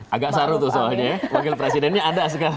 agak saru tuh soalnya ya wakil presidennya ada sekarang